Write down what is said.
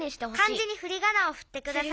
「漢字にふりがなをふってください」。